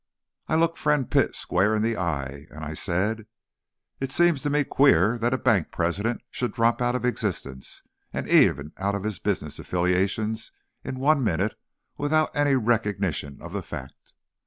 I looked Friend Pitt square in the eye, and I said, "It seems to me queer that a bank president should drop out of existence and even out of his business affiliations in one minute without any recognition of the fact."